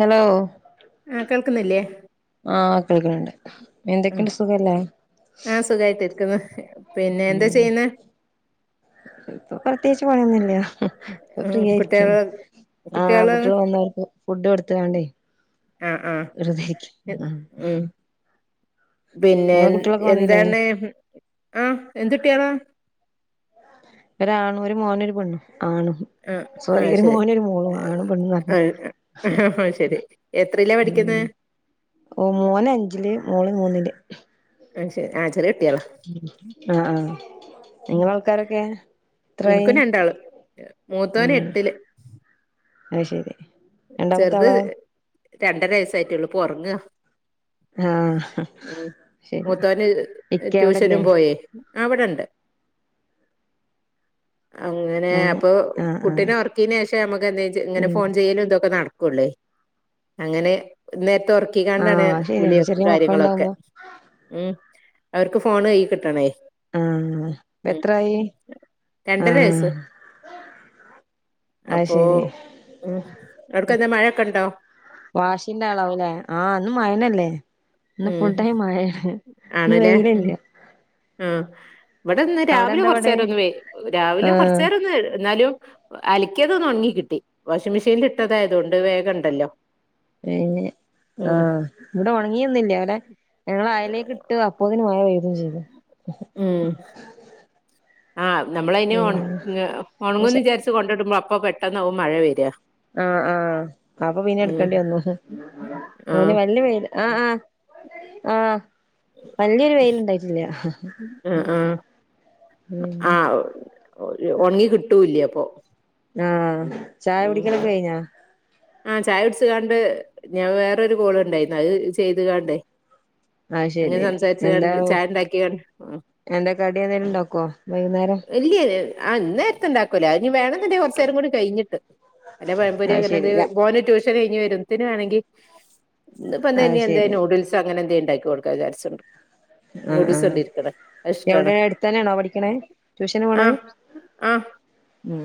Hello ആഹ് കേൾക്കുന്നില്ലേ ആഹ് കേൾക്കിണണ്ട് എന്തെക്കെണ്ട് സുഖല്ലേ സുഖായിട്ടിരിക്ക്ന്ന് ഉം ഇപ്പൊ പ്രത്യേയ്ച്ച് പണിയുന്നില്ലാ അപ്പ ഉം ഫ്രീയായിരിക്കും കുട്ടികള് ആഹ് ആഹ് കുട്ടികള് കുട്ടിള് ഒൺന്ന് ഓക്ക് ഫുഡ്ഡ് കൊട്ത്ത് ങ്ങാണ്ടേ ആഹ് ആഹ് വെർതെയ്ര്ക്കി ആഹ് ഉം പിന്നെ നിങ്ങളെ എം കുട്ടികളൊക്കെ വന്നില്ലേ എന്താണ് ആഹ് എന്ത് ട്ടിയളാ ഒരാണും ഒരു മോനും ഒരു പെണ്ണും ആണും ആഹ് സോറി ആഹ് ഒരു ശരി മോനും രു മോളും ആണും പെണ്ണുന്നാർഞെ ആഹ് ശരി എത്രയിലാ പഠിക്കിന്നെ ഓഹ് മോന് അഞ്ചില് മോള് മൂന്നില് അഹ് ശരി ആഹ് ചെറിയ കുട്ടികളാ ആഹ് ആഹ് നിങ്ങളെ ആൾക്കാരൊക്കെ എത്രായി എനിക്കും രണ്ടാള് മൂത്തോന് ഉം എട്ടില് അയ് ശരി രണ്ടാമത്തെ ചെർത് ആളോ രണ്ടരയ്സായിട്ടേള്ളൂ ഇപൊ ഒർങ്ങാ ആഹ് ഉം ശരി മൂതോന് ഇക്ക അവിടെല്ലേ ട്യൂഷനും പോയേ ആഹ് വിടെണ്ട് അങ്ങനെ ആഹ് അപ്പൊ ആഹ് ആഹ് കുട്ടിനെ ഒർക്കീനെഷെ നമ്മക്ക് എന്തെ ഇങ്ങനെ ഉം ഫോൺ ചെയ്യലും പ്പൊ നട്ക്കൊള്ളെ അങ്ങനെ ഇന്നേർത്ത് ഒർ ക്കി കാണ്ടാണ് ആഹ് ശരിയാണ് വിളിയും ചെറിയ കാര്യങ്ങളൊക്കെ മക്കളുണ്ടാവുമ്പോ ഉം അവർക്ക് ഫോണ് കയ്യീ കിട്ടണേ ആഹ് ഉം എത്രായീ ആഹ് അത് അപ്പോ ശരി ഉം അവ്ട്ക്കന്താ മഴൊക്കെ ണ്ടോ വാഷിന്റെ ആളാവുലേ ആഹ് ഇന്ന് മയന്നല്ലേ ഇന്ന് ഉം ഫുൾ ടൈം മയെ ഹ് ഇന്ന് ആണല്ലേ ഉം വെയിലില്ലിയ ആഹ് ഇവിടെന്ന് അവിടെ രാവിലെ എന്താ കൊറച്ച് പാട് നേരം ഒന്ന് വൈയില് രാവിലെ കൊറച്ച് ആഹ് നേരം ഒന്ന് എന്നാലും- അലക്കിയത് ഒന്ന് ഒണങ്ങി കിട്ടി വാഷിംഗ് മെഷീല് ഇട്ടതായതൊണ്ട് വേഗയിണ്ടല്ലോ പിന്നെ ആഹ് ഇവിടെ ഒണങ്ങിയൊന്നില്ലയിവടെ ഞങ്ങള് അയലേക്ക് ഇട്ട് അപ്പോതിന് മഴ പെയ്തു ചെയ്ത് ഉം ആഹ് നമ്മളയിന് ഒൺ ങ്ങ പിന്നെ ഒണങ്ങും ന്ന് വിചാരിച്ച ട്ട് കൊണ്ടടുമ്പോ അപ്പൊ പെട്ടെന്നാവും മഴ വെരാ ആഹ് ആഹ് അപ്പ പിന്നെ എടുക്കെണ്ടി വന്നു ഹ് അപൊ പിന്നെ ആഹ് വല്ലിയ വെയില്- ആഹ് ആഹ് ആഹ് വല്ലിയ ഒരു വെയില് ഇണ്ടായിട്ടില്ല ആഹ് ആഹ് ഉം ഒരു ഒണങ്ങി കിട്ടൂല്ലിയെ അപ്പൊ- ആഹ് ചായ ഉം കുടിക്കലൊക്കെ കഴിഞ്ഞാ ആഹ് ചായ കുടിച് കാണ്ട് ഞാൻ വേറൊരു കോള് ഇണ്ടായിരുന്നു അവ് ചെയ്ത് കാണ്ടേ- അത് അങ്ങനെ ശരി സംസാരിച്ച്കാണ്ട് ചായ ഇണ്ടാക്കിണ്ട് ഉം എന്തേ കടി എന്തേലും ഉണ്ടാക്കുവോ വൈകുന്നേരം ഇല്ലിയേ ആ ഇ നേരത്തെ ഉണ്ടാകുവില്ലേ ആയിനി വേണോന്നുണ്ടെ കൊറച്ചേരം കൂടി കഴിഞ്ഞി ട്ട് വല്ലെ പഴംപൊരിയോ അത് അങ്ങനെ [unintelligible] ശരി ര ന്തേലും ഓന് ട്യൂഷന് കഴിഞ്ഞ് വരുമ്ത്തേനു വാണെങ്കി അത് ഇന്ന്പ്പന്തേനു ശരി എന്തേനു നൂഡിൽസ് സ്സ അങ്ങനെ എന്തേണ്ടാക്കി കൊടുക്കാക്കാന്ന് വിചാരിച്ചു - ആഹ് നൂഡിൽസ് ആഹ് ഒണ്ട് ഇരിക്കണെ എവിടെ അതിഷ്ട്ടാണ് അടുത്തന്നെയാണോ പഠിക്കണേ ട്യൂഷന് പോണത് ആഹ്. ആഹ് ഉം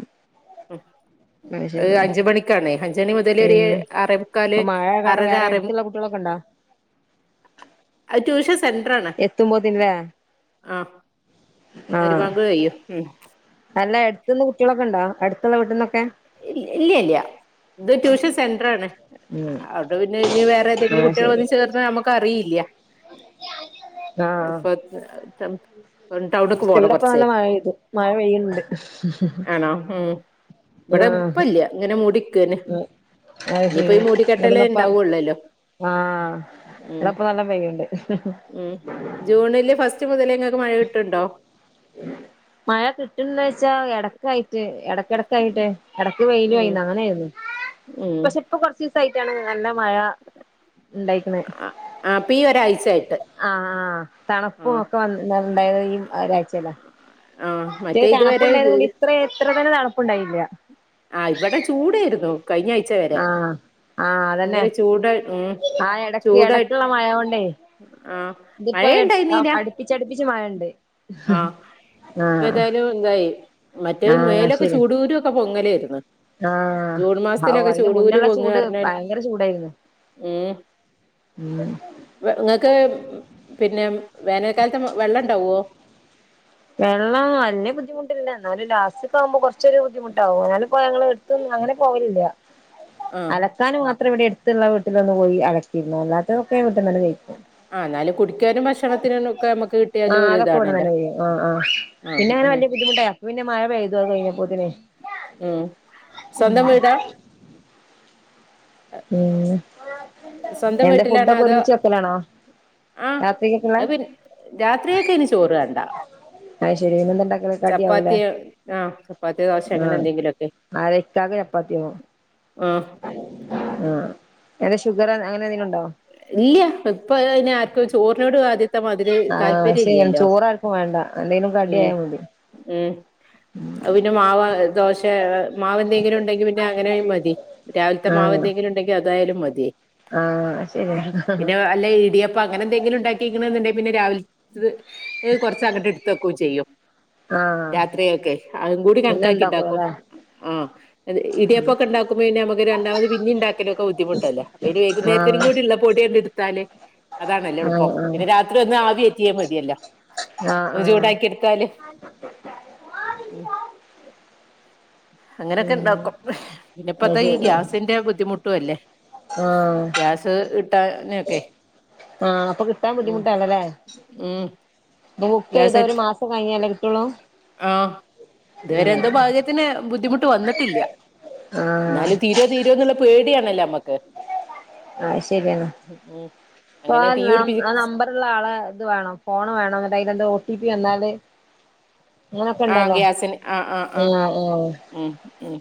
[unintelligible] അത് ശരി ഏഹ് അഞ്ച് മണിക്കാണേ അഞ്ച് മണി മുതല് ഒര് ഏഴ് പിന്നെ ആറേമുക്കാല് ഇപ്പൊ മഴ കാരണം ആറര വേറെ ആറേ മു അടുത്തുള്ള കുട്ടികളൊക്കെ ഉണ്ടോ അത് ട്യൂഷൻ സെൻഡ്രാണ് എത്തുമ്പോത്തിന്ല്ലേ ആഹ് ആഹ് മരുബാങ്ക് കഴിയും ഉം അല്ല എഴുതുന്ന കുട്ടികളൊക്കെണ്ടോ അട്ത്തുള്ള വീട്ട്ന്നക്കെ ഇൽ ഇല്ല്യല്ല ഇത് ട്യൂഷൻ സെൻട്രാണ്. ഉം അതുപിന്നെ ഇനി വേറേതെങ്കിലും ആഹ് കുട്ടികള് ശരി വന്ന്‌ ചേർന്ന നമ്മക്ക് അറിയില്യ ആഹ് ഉപ്പെത്തു ത്തും [unintelligible] ടൗവുണിക്ക് പോണം ഇവിടെപ്പ കൊറച്ച് നല്ല മഴ പെയ്തു മഴ പെയ്യുന്നുണ്ട് ആണോ ഉം ഇവിടെ ആഹ് ഇപ്പൊ ഇല്ലിയ ഇങ്ങനെ മുടിക്കേന് അത് ഇനിപ്പോ ഈ ശരി ഇവിടന്നപ്പ മൂടിക്കെട്ടലേണ്ടാവുള്ളല്ലോ. ആഹ് ഇവടപ്പ നല്ല പെയ്യ്ണ്ട്. ഉം ജൂണില് ഫസ് സ്റ്റ് മുതലേ നിങ്ങക്ക് മഴ കിട്ടുണ്ടോ മഴ കിട്ട്ന്ന് വെച്ചാ എടക്കായിട്ട് എടക്കെടക്കായിട്ടേ എടക്ക് ഉം വെയിലുവായിന്ന് അങ്ങനായിരുന്നു ഉം പക്ഷെ ഇപ്പോ കൊറച്ച് സ്സായിട്ടാണ് നല്ല മഴ ഇണ്ടായിക്കണേ ആഹ് അപ്പ ഈ ഒരാഴ്ചയായി ആഹ് തണുപ്പുവൊക്ക വന്ന്ണ്ടായത് ഈ ഒരാഴ്ച ആ ഏ മറ്റേ ഇതുവരെ തണപ്പുണ്ടായത് കൂടി ഇത്രേ തന്നെ തണുപ്പുണ്ടായില്ല. ആഹ് ഇവടെ ചൂടെയിരുന്നു കഴിഞ്ഞാഴ്ച വെരെ. ആഹ് ആഹ് അതന്നെ ഭങ്കര ചൂട ഉം ആ എടക്ക് ചൂടായി ആഹ്. ഇതിപ്പ യെട് ആഹ് അടുപ്പിച്ചടിപ്പിച്ച് മഴയിണ്ട്. ഇപ്പയെതായലു ഇതായി മറ്റേ ആഹ് മേലൊക്കെ ശരി ചൂടൂകുരുക്കെ പൊങ്ങലേരുന്ന്‌. ആഹ് ഹാവൂ അയിന്റെ മുന്നെള്ള പൊങ്ങ ചൂട് പറഞ്ഞാൽ ഭയങ്കര ചൂടായിരുന്നു. ഉം വെ നിങ്ങക്ക് പിന്നെ വേനൽക്കാലത്ത് വെ വെള്ളണ്ടാവോ വെള്ളം വല്ല്യ ബുദ്ധിമുട്ടില്ല എന്നാലും ലാസ്റ്റ് ഒക്കെയാവുമ്പ കൊറച്ചൊരു ബുദ്ധിമുട്ടാവും അന്നാലിപ്പോ ഞങ്ങള് പ്പം അങ്ങനെ പോവലില്ല ആ അലക്കാന് മാത്രം ഇവിടെ എടു ത്ത്ള്ള വീട്ടിലൊന്നു പോയി അലക്കിരുന്നു അല്ലാത്തൊക്കെ വീട്ടിൽ തന്നെ ക. ആ ന്നാല് കുടിക്കാനും ഭക്ഷണത്തിനും ഒക്കെ നമ്മുക്ക് കിട്ടിയാലും ആഹ് അതൊക്കെ ഇവിടെ ഒരുതാണല്ലോ. തന്നെ പെയ്യും ആഹ് ആഹ് പിന്നെ അങ്ങനെ വെല്ല്യ ബുദ്ധിമുട്ടായി അപ്പൊ പിന്നെ മഴ പെയ്തു അത്കഴിഞ്ഞപ്പോത്തിനെ. ഉം സ്വന്തം വീടാ? ഉം സ്വന്തം എന്താ വീട്ടിലാണോ ഫുഡൊക്കെ അതോ ഒരുമിച്ച് വെക്കലാണോ? ആഹ് രാത്രിക്കൊക്കുള്ളെ അഹ് പിന്നെ രാത്രിയൊക്കെ ഇനി ചോറ് വേണ്ട. അത് ശരി പിന്നെന്താ ഇണ്ടാക്കല് കടിയാവൂല്ലേ ചപ്പാത്തിയ ആഹ് ചപ്പാത്തി ദോശ അങ്ങനെ എന്തെങ്കിലൊക്കെ. മാരെ ക്കാവ് ചപ്പാത്തിയോ? ആഹ് ആഹ് എട ഷുഗറോ അങ്ങനെ എന്തെങ്കിലുണ്ടോ? ഇല്ല്യ ഇപ്പതിനാർക്കും ആർക്കും ചോറിനോട് ആദ്യ ത്തമാതിരി ആഹ് അത് ശരിയാണ് താല്പര്യല്ലല്ലോ ചോറ് ആർക്കും വേണ്ട എന്തെങ്കിലും ഉം കടിയായ മതി ഉം അത് പിന്നെ മാവ ദോശ മാവെന്തെങ്കിലും ഉണ്ടെങ്കിൽ പിന്നെ അങ്ങനെയും മതി രാവിലത്തെ ആഹ് മാവെന്തെങ്കിലും ഉണ്ടെങ്കിൽ അതായാലും മതിയേ ആഹ് ശരിയാ പിന്നെ അല്ല ഇടിയപ്പം അങ്ങനെ എന്തെങ്കിലും ഉണ്ടാക്കിക്ണെന്നുണ്ടെല് പിന്നെ രാവില് ഇത് കുറച്ച് അങ്ട് എടുത്തു വെക്കും ചെയ്യും ആഹ് രാത്രിയൊക്കെ അതും കൂടി പിന്നെ കണക്കാക്കി ഇണ്ടാക്കൂല ഇണ്ടാക്കും ല്ലേ ആഹ് അത് ഇടിയപ്പൊക്കെ ഇണ്ടാക്കുമ്പോഴെ ഞമക്ക് രണ്ടാമത് പിന്നീം ഉണ്ടാക്കലൊക്ക ബുദ്ധിമുട്ടല്ലേ ഇനി വൈകുന്നേരത്തിന് ആഹ് ഇല്ല പൊടി എട്ത്താല് അതാണല്ലേ ആഹ് എള്പ്പം ആഹ് പിന്നെ രാത്രി ഒന്ന് ആവി എറ്റിയേ മതിയല്ലാ ആഹ് ആഹ് ചൂടാക്കി എടുത്താല് ഉം ഉം അങ്ങനെയൊക്കെയിണ്ടാക്കും അത് പിന്നപ്പത്തെ ഈ ശരി ഗ്യാസിന്റെ ബുദ്ധിമുട്ടും അല്ലേ ആഹ് ഗ്യാസ് കിട്ടാനൊക്കെ ആഹ് അപ്പൊ കിട്ടാൻ ഉം ബുദ്ധിമുട്ടാണല്ലേ ഉം അപ്പൊ ബുക്കെയ്താ ഗ്യാസ് ഒരു മാസം കഴിഞ്ഞാലേ കിട്ടുള്ളൂ ആഹ് ഉം ഇതുവരെ എന്തോ ഭാഗ്യത്തിന് ബുദ്ധിമുട്ട് വന്നിട്ടില്ല ആഹ് എന്നാലും തീരോ തീരോന്നുള്ള പേടിയാണല്ല ഞമ്മക്ക് ആഹ് ശരിയെന്ന അപ്പാ അങ്ങനെ തീ നം ആ പിടിപ്പിച്ച് നമ്പർ ഉള്ളാളെ ഇത് വേണം ഫോണ് വേണം അതായത് എന്തോ ഓ ടി പി വന്നാല് അങ്ങനൊക്കെ ആഹ് ഇണ്ടല്ലോ ഗ്യാസിന് ആഹ് ആഹ് ആ ഉം ഉം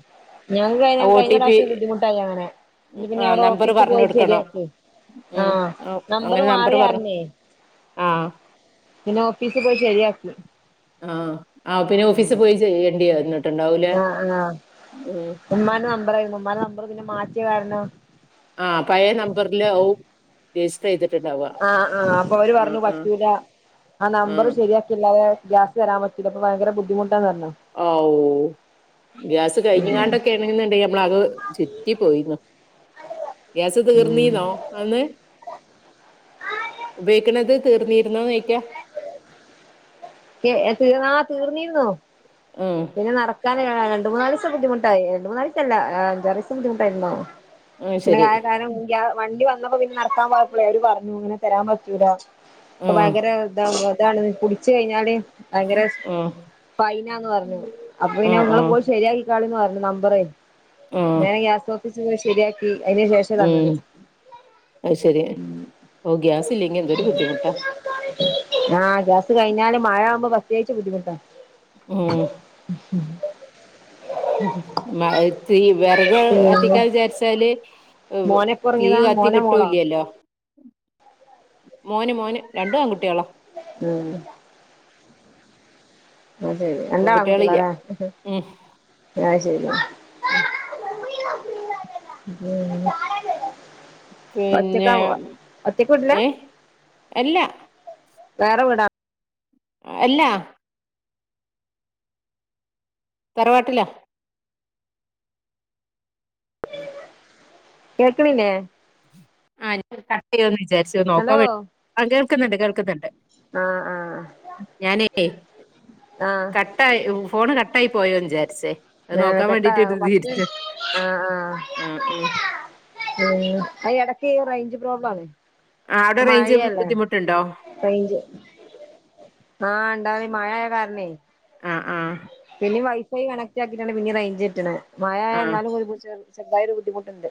ഞാൻ കഴിഞ്ഞേ ആ ഓ കഴിഞ്ഞ ടി പി പ്രാവശ്യം ബുദ്ധിമുട്ടായി അങ്ങനെ എങ്കി ആ പിന്നെ അവിടെ നമ്പറ് ഓഫീസി പറഞ്ഞു പോയിട്ട് കൊടുക്കണം ശരിയാക്ക് ഉം ആഹ് ആ, നമ്പർ മാറിയാര്ന്നേ ആഹ് പിന്നെ ഓഫീസിപോയി ശരിയാക്കി ആഹ് ആ പിന്നെ ഓഫീസിപോയി ചെയ്യേണ്ടിവന്ന് ആഹ് ആഹ് ഉമ്മാന്റെ നമ്പർ ആയിരുന്നു ഉമ്മാര നമ്പർ പിന്നെ മാറ്റിയ കാരണം ആഹ് പഴയ നമ്പറില് ആവും റജിസ്റ്ററ് ചെയ്തിട്ടുണ്ടാവാ ആഹ് ആ അപ്പൊ അവര് പറഞ്ഞു പറ്റൂല ആ നമ്പറ് ശരിയാക്കില്ലാതെ യാ വരാൻ പറ്റില്ല അപ്പ ഭയങ്കര ബുദ്ധിമുട്ടാന്ന് പറഞ്ഞ് ആഊ ഗ്യാസ് കഴിഞ്ഞ് കാണ്ടൊക്കെ ആണെന്നുണ്ടെങ്കി നമ്മളത് ചുറ്റി പോയിന്ന് ഗ്യാസ് ഉം തീർന്നീന്നോ ആന്ന് ഉപയോഗിക്കണത് തീർന്നീരുന്നോ നോയ്ക്കാ കെ എ തീർന്നാ തീർന്നിരുന്നോ ആഹ് പിന്നെ നടക്കാന് രണ്ട് മൂന്നാലൂസം ബുദ്ധിമുട്ടായി. രണ്ട് മൂന്നാലീസല്ല. അഞ്ചാറീസം ബുദ്ധിമുട്ടായ്ട്ട്ണ്ടാകും. ആ പിന്നെ ശരി [unintelligible] വണ്ടി വന്നപ്പോ പിന്നെ നട്ക്കാൻ പോയപ്പ്ളേ അവര് പറഞ്ഞു ഇങ്ങനെ തെരാൻ പറ്റൂലാ ആ ഇപ്പ ബയ്ഗര ഇതാമ്പോ ഇതാണ് പുടിച്ച് കഴിഞ്ഞാല് ഭയ്ങ്കര ആ ഫൈനാന്ന് പറഞ്ഞു അപ്പൊ ആ പിന്നെ ആ ഞങ്ങള് പോയി ശരിയായി ക്കാളീന്ന് പർന്ന് നമ്പറേ ആ വേം ഗ്യാസ് ഓഫീസിൽ ശരിയാക്കി അയിന് ശേഷ തന്നത്. അയ് ശരി ഓ ഗ്യാസ് ഇല്ലെങ്കി എന്തൊരു ബുദ്ധിമുട്ടാ ആഹ് ഗ്യാസ് കഴിഞ്ഞാല് മഴ ആമ്പോ പ്രത്തേയ്ച്ചു ബുദ്ധിമുട്ടാ ഉം മ അതീ വെറക് പിന്നെ കത്തിക്കാ വിചാരിച്ചാല് വ്വ് മോനെപ്പ തീ ഒറങ്ങിയതാ കത്തി മോനോ മോളോ കിട്ടൂല്ലല്ലോ മോന് മോന് രണ്ടും ആൺ കുട്ട്യാളാ. ഉം അ ശരി പെൺകുട്ടികളില്ല രണ്ടാങ്കുട്ടികളാലേ ഉം ആഹ് ശരി [unintelligible] ഒറ്റക്കാ പിന്നെ പോവാ ഒറ്റക്ക് വീട്ട്ലാ ഏ അല്ല വേറെ വീടാ അല്ല തറവാട്ട്ലാ ഉ കേൾക്ക്ണില്ലേ ആഹ് [unintelligible] കട്ട് ചെയ്തോന്ന് വിചാര്ച്ചു നോക്കാൻ ഹലോ വേണ്ടി ആ കേൾക്കുന്നുണ്ട് കേൾക്ക്ന്ന്ണ്ട്. ആഹ് ആഹ് ഞാനേ ആഹ് ക ട്ടായ് ഫോണ് കട്ടായി പോയോ വിചാര്ച്ചേ അത് ഏഹ് നോക്കാൻ കെട്ടാ വേണ്ടിട്ട് പത്ത് [unintelligible] ആഹ് ഉം ഉം അ എടക്ക് ഈ റേഞ്ച് പ്രോബാണ്. ആ അവിടെ പ്പ റേഞ്ച് മയല്ലേ ബുദ്ധിമുട്ടുണ്ടോ റെയ്ഞ്ച് ആഹ് ഇണ്ടാവും മഴായ കാര്ണെ അഹ് ആഹ് പിന്നെ വൈഫൈ കണക്ട് ആക്കിയിട്ടാണ് പിന്നിം റെയ്ഞ്ച് കിട്ട്ണ്. മഴയായ ആ ന്നാലും ചെർതായൊരു ബദ്ധിമുട്ട്ണ്ട്.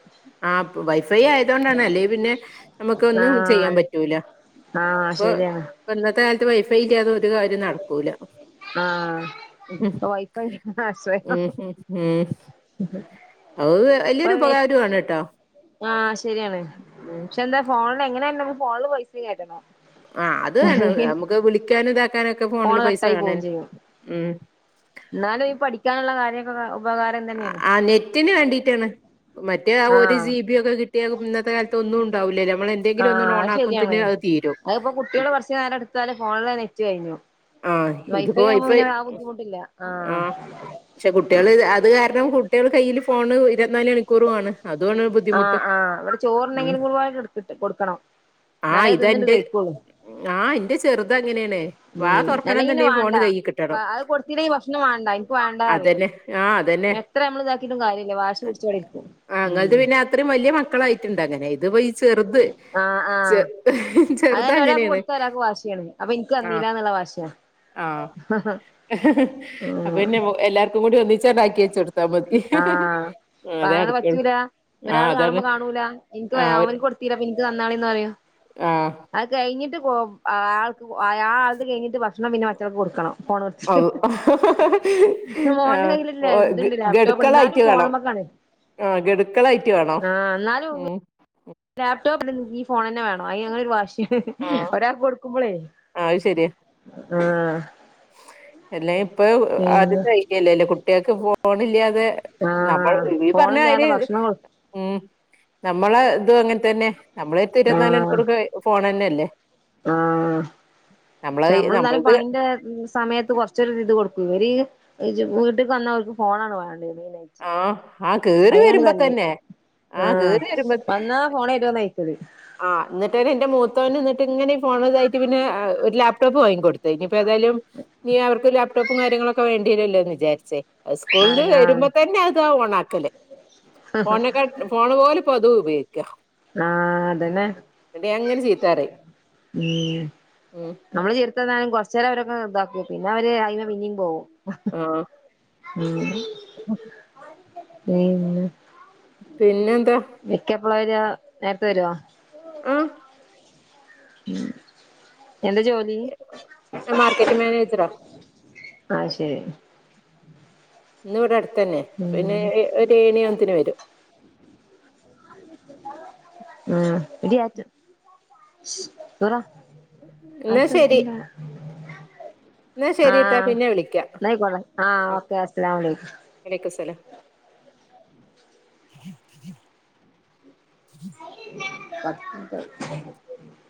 ആഹ് വൈഫൈ ആയതോണ്ടാണ് അല്ലെ പിന്നെ നമുക്ക് ഒന്നും ചെയ്യാൻ ആഹ് അതെ പറ്റൂല. ആഹ് ഇപ്പൊ ശരിയാണ്. ഇപ്പ ഇന്നത്തെ കാൽത്ത് വൈഫൈ ഇല്ലാതെ ഒരു കാര്യം നട്ക്കൂല. ആഹ് പ്പൊ വൈഫൈ ആശ്രയം ഉം ഉം ഉം. അത് ഇപ്പൊ വല്ല്യൊരു ഉപകാരു ആണ് ട്ടോ ആഹ് ശരിയാണ്. ക്ഷെ എന്താ ഫോൺല് എങ്ങനെയായാലും ഫോണില് പൈസിം കേറ്റണം. ആഹ് അത് വേണം. അല്ലെങ്കിൽ നമുക്ക് വിളിക്കാനും ഇതാക്കാനൊക്കെ ഫോണ് ഫോൺല് പൈസ കട്ടായി വേണെ ഉം ന്നാലും ഈ പഠിക്കാനുള്ള കാര്യക്കൊക്കെ ഉപകാരം തന്നേണ്. ആ നെറ്റിന് വേണ്ടിട്ടാണ്. മറ്റേ ഒരു ആഹ് ജിബിയൊക്കെ കി ട്ടിയാ ഇന്നത്തെ കാൽത്ത് ഒന്നും ഉണ്ടാവുലല്ലോ നമ്മള് ആഹ് അത് ശരിയാണ്. അത്പ്പോ കുട്ട്യാള് ഇത് കൊർച് നേരംഇട്ത്താല് ഫോൺല് നെറ്റ് കഴിഞ്ഞു. ആ വൈഫൈ ഇതിപ്പോ ആവുമ്പോ പിന്നെ ആ ബുദ്ധിമുട്ടില്ല ആഹ് ക്ഷെ കുട്ട്യാള് അത് കാര്ണം കുട്ട്യള് കയ്യില് ഫോണ് ഇരുവത്നാല് മണിക്കൂറു ആണ്. അതു ആണ് ബു ആഹ് ആഹ് ഇവടെ ചോറ്ന്നെണേങ്കിലും [unintelligible] ഇട്ത്തിട്ട് കൊട്ക്കണം. ന്നാലെ തിന്ന്ണ്ട് കഴിക്കുള്ളൂ. ആഹ് ന്റെ ചെറുത് അങ്ങനെയണേ വാ ഉം തൊർക്കണം അല്ലെങ്കി ന്ന് പിന്നെ ണ്ടെങ്കി വാണ്ട ഫോണ് കയ്യ് കിട്ടണം അത് കൊടുത്തില്ലെങ്കിൽ ഭക്ഷണം വേണ്ട എനിക്ക് വേണ്ടാ പറയും അതന്നെ ആഹ് എത്ര നമ്മള് ഇതാക്കിട്ടും കാര്യല്ല. വാശി പുട്ച്ചൊവിടെ ഇര്ക്കും ഉം അത്രിം വല്യ മക്കളായിട്ട്ണ്ടങ്ങനെ ഇത്പ്പൊ ഈ ചെറ്ത്. ആഹ് ആഹ് അതന്നെ ഒരാക്ക് കൊട്ത്ത ഒരാക്ക് വാശിയാണ്. അപ്പൊ ഇൻക്ക് തന്നീല്ലാന്ന്ള്ള വാശിയ ആഹ് അപ്പ ഉം പിന്നെ എല്ലാർക്കും കൂടി ഒന്നിച്ചാണ്ടാക്കി വെച്ച് കൊടുത്താ മതി. ആഹ അപ്പ അതേ അങ്ങനെ നടക്കുള്ളൂ പറ്റൂല ആ ഒരാള് അതാണ് കാണുമ്പോ കാണൂല എനിക്ക് ആ ഓന് കൊ തീരാ ഇന്ന്ക്ക് തന്നാളിന്ന് പറയും ആ അത് കഴിഞ്ഞിട്ട് പോ ആ ആൾക്ക് ആയാൾത് കഴിഞ്ഞിട്ട് ഭക്ഷണം പിന്നെ മറ്റാൾക്ക് കൊടുക്കണം ഫോണ് അവ് കൊടുത്തിട്ട് മോന്റെ കയ്യില് ല്ലേ ഇതുണ്ട് ലേ ക്കളായിട്ട് വേണം ആ ഘടുക്കളായിട്ട് വേണം ലാപ്ടോപ്പ ഈ ഫോൺ തന്നെ വേണം അയി ഞങ്ങള ഒരു വാശ്യ ആഹ് ഒരാൾക്ക് കൊടുക്കുമ്പോളേ അത് ശരിയാ ആഹ എല്ലാം ഇപ്പൊഴും പിന്നെ ആദ്യത്തെ ആയിക്കല്ലല്ലേ കുട്ട്യാള്ക്ക് ഫോണില്ലാതെ നമ്മൾ ആഹ് ഈ പറഞ്ഞയ്രി ഫോണില്ലാതെ ഭക്ഷണം കൊ ഉം നമ്മളെ ഇതു അങ്ങന് തന്നെ നമ്മളടുത്ത് ഇരുപത്തിനാല് മണിക്കൂർ ഫോൺ തന്നെ അല്ലേ ആഹ നമ്മൾ എന്നാലും നമ്മളത് പണിന്റെ സമയത്ത് കുറച്ച് [unintelligible] ഇത് കൊടുക്ക ഇവര് വീട്ടിൽ വന്നാ ഓൽക്ക് ഫോണാണ് വേണ്ടത് മെയിനയിട്ട് ആഹ് ആഹ് കേറി അയിനാണ് വരുമ്പോ തല്ല് തന്നെ ആഹ് ആഹ കേറി വന്നാ ഫോൺ [unintelligible] ചോയിക്കൽ ആഹ എന്നിട്ട് എന്റെ മൂത്തവൻ എന്നിട്ട് ഇങ്ങനെ ഫോണതായിട്ട പിന്നെ ഒരു ലാപ്ടോപ്പ് വാങ്ങി ക്കെട്ത്ത് ഇനിയിപ്പോ ഏതായാലും ഇനി അവർക്ക് ലാപ്ടോപ്പും കാര്യങ്ങളൊക്കെ വേണ്ടിവരല്ലോ എന്ന് വിചാരിച്ചേ സ്കൂള് ആഹ് നിന്ന് ആഹ് വരുമ്പോ തന്നെ അതാ ഓണആക്കല് ഫോണൊക്കെ ഫോൺ പോലെപ്പോഅതും ഉപയോഗിക്കാ ആഹ അതന്നെ എന്നിട്ട് ഞാൻ ഇങ്ങനെ ചീത്തപറയും മ് ഉം നമ്മള് [unintelligible] കൊറ ചിലവരൊക്കെ റദ്ദാക്കി പിന്നെ അവര് അയി്മ പിന്നിം പോവും ആ മ് [inaudible] പിന്നെ പിന്നെന്താ ഇക്കപ്പള വര് നേരത്തെ വരോ ഉം ഉ എന്താ ജോലി? മാർക്കറ്റിംഗ് മാനേജറാ ആഹ് ശരി ഇന്ന് ഇവിടെ അടുത്തന്നെ പിന്നെ ഉം ഒരു ഏഴണിവുമ്പോത്തിന് വരും ഉം എടി ആച്ചു നൂറ എന്നാ ശരി ആക്കിടുക്കണ്ട എന്നാ ശരിട്ടാ പിന്നെ വിളിക്കാം ന്നാ ആയിക്കോട്ടെ ആഹ് ആ ഓക്കെ അസ്സലാമു അലൈക്കും വലൈക്കും സ്സലാം [unintelligible]